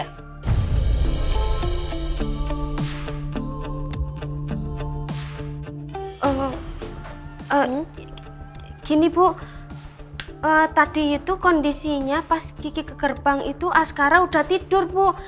begini bu tadi itu kondisinya pas kiki ke gerbang itu askara udah tidur bu